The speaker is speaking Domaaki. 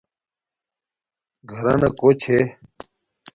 گھرانا کو چھے